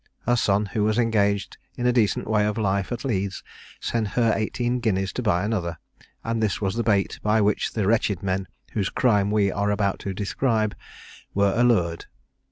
Her son, who was engaged in a decent way of life at Leeds, sent her eighteen guineas to buy another; and this was the bait by which the wretched men, whose crime we are about to describe, were allured.